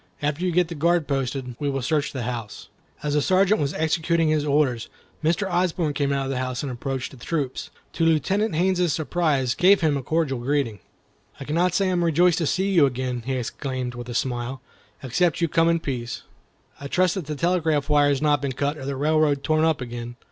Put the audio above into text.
After you get the guard posted, we will search the house." As the Sergeant was executing his orders, Mr. Osborne came out of the house, and approaching the troop, to Lieutenant Haines's surprise, gave him a cordial greeting. "I cannot say I am rejoiced to see you again," he exclaimed, with a smile, "except you come in peace. I trust that the telegraph wire has not been cut, or the railroad torn up again."